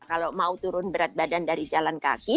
jadi kalau mau turun berat badan dari jalan kaki